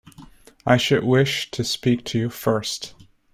I should wish to speak to you first.